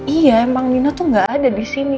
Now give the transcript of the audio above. iya emang nino tuh gak ada disini